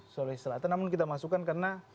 sulawesi selatan namun kita masukkan karena